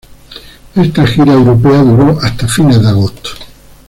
Esta gira europea duró hasta fines de agosto.